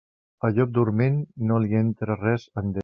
A llop dorment, no li entra res en dent.